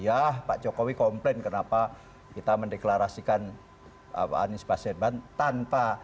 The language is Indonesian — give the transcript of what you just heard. ya pak jokowi komplain kenapa kita mendeklarasikan anis baswedan